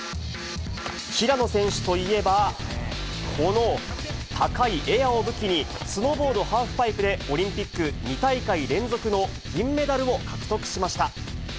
平野選手といえば、この高いエアを武器に、スノーボードハーフパイプでオリンピック２大会連続の銀メダルを獲得しました。